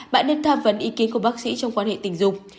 bạn nên tham vấn ý kiến của bác sĩ trong quan hệ tình dục